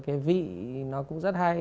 cái vị nó cũng rất hay